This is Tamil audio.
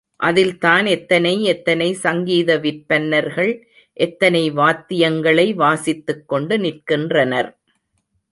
அதில்தான் எத்தனை எத்தனை சங்கீத விற்பன்னர்கள், எத்தனை வாத்தியங்களை வாசித்துக் கொண்டு நிற்கின்றனர்.